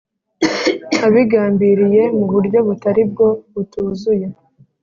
Abigambiriye mu buryo butari bwo butuzuye